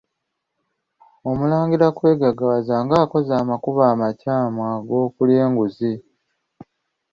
Emulanga kwegaggawaza ng'akozesa amakubo amakyamu ag'okulya enguzzi.